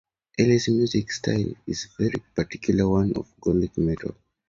Elis' music style is a very particular one in gothic metal.